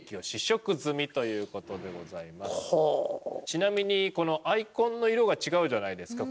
ちなみにアイコンの色が違うじゃないですか。